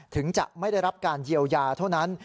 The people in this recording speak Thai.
ถึงจะไม่ได้รับการเยียวยาเท่านั้น